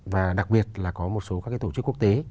và đặc biệt là có một số các cái tổ chức quốc tế